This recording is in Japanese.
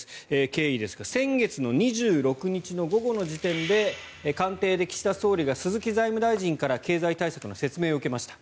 経緯ですが先月の２６日の午後の時点で官邸で岸田総理が鈴木財務大臣から経済対策の説明を受けました。